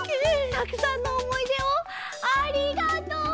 たくさんのおもいでをありがとう！